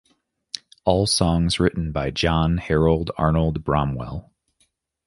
All songs written by John Harold Arnold Bramwell.